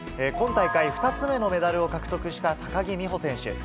今大会、２つ目のメダルを獲得した高木美帆選手。